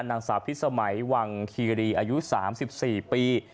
นางสาวพิษสมัยวังคีรีอายุ๓๔ปี